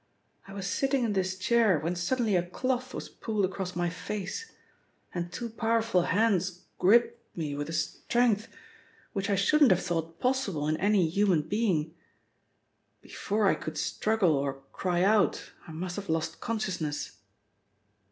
"I was sitting in this chair when suddenly a cloth was pulled across my face, and two powerful hands gripped me with a strength which I shouldn't have thought possible in any human being. Before I could struggle or cry out I must have lost consciousness."